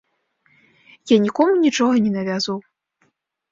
Я нікому нічога не навязваў.